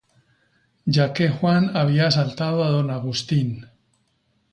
Ya que Juan había asaltado a Don Agustín.